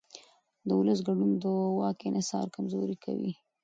د ولس ګډون د واک انحصار کمزوری کوي